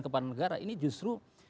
kepada negara ini justru